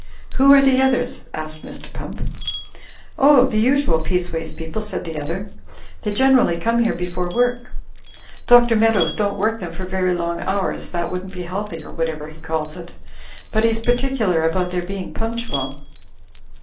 "Who are the others?" asked Mr. Pump. "Oh, the usual Peaceways people," said "tBc otlicr. THE REPUBLIC OF PEACEWAYS 229 "They generally come here before work. Dr. Mead ows don't work them for very long hours, that wouldn't be healthy or whatever he calls it; but he's particular about their being punctual.